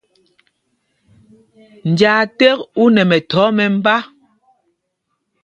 Njāā ték ú nɛ mɛthɔɔ mɛmbá.